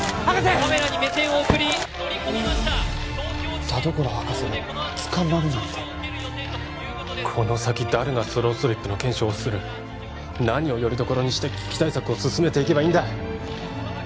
カメラに目線を送り乗り込みました田所博士が捕まるなんてこの先誰がスロースリップの検証をする何をよりどころにして危機対策を進めていけばいいんだ